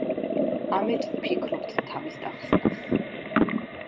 ამით ვფიქრობთ თავის დახსნას!